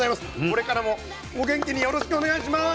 これからもお元気によろしくお願いします！